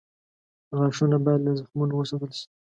غاښونه باید له زخمونو وساتل شي.